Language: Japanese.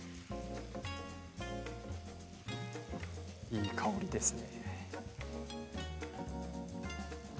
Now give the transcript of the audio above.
いい香りですね。